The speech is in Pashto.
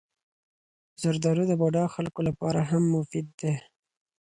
زردالو د بوډا خلکو لپاره هم مفید دی.